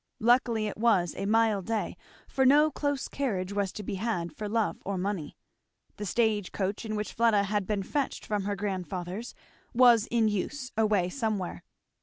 Luckily it was a mild day, for no close carriage was to be had for love or money. The stage coach in which Fleda had been fetched from her grandfather's was in use, away somewhere.